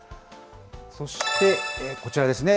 そしてこちらですね。